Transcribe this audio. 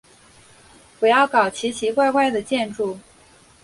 不要搞奇奇怪怪的建筑。